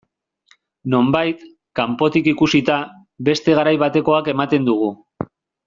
Nonbait, kanpotik ikusita, beste garai batekoak ematen dugu.